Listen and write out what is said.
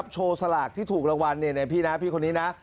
โชว์สลากที่ถูกระวัญในพี่พี่คนนี้นะ